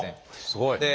すごい！